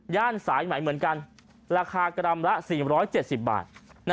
สายไหมเหมือนกันราคากรัมละ๔๗๐บาท